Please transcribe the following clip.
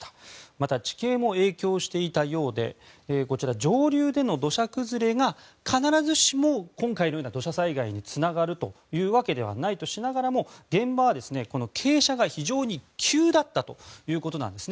また地形も影響していたようで上流での土砂崩れが必ずしも今回のような土砂災害につながるとはないとしながらも現場は、傾斜が非常に急だったということなんです。